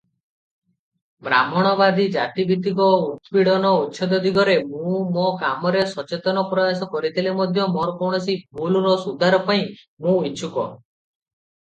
ବ୍ରାହ୍ମଣବାଦୀ ଜାତିଭିତ୍ତିକ ଉତ୍ପୀଡ଼ନ ଉଚ୍ଛେଦ ଦିଗରେ ମୁଁ ମୋ କାମରେ ସଚେତନ ପ୍ରୟାସ କରିଥିଲେ ମଧ୍ୟ ମୋର କୌଣସି ଭୁଲର ସୁଧାର ପାଇଁ ମୁଁ ଇଚ୍ଛୁକ ।